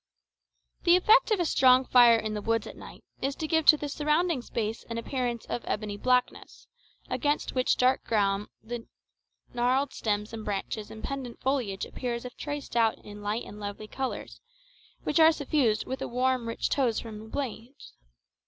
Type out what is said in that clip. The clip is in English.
The effect of a strong fire in the woods at night is to give to surrounding space an appearance of ebony blackness, against which dark ground the gnarled stems and branches and pendent foliage appear as if traced out in light and lovely colours, which are suffused with a rich warm tone from the blaze.